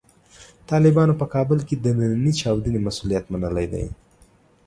طالبانو په کابل کې د نننۍ چاودنې مسوولیت منلی دی.